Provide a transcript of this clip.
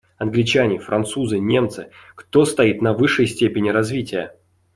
Англичане, Французы, Немцы — кто стоит на высшей степени развития?